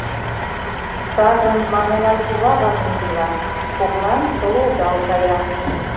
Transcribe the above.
Садым Мамулай кува ваҥен ила, коклан толылдал кая.